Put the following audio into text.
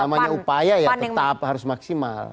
namanya upaya ya tetap harus maksimal